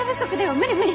無理無理！